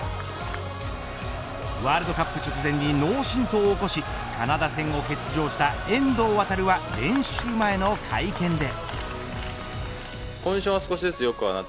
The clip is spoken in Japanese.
ワールドカップ直前に脳振とうを起こしカナダ戦を欠場した遠藤航は練習前の会見で。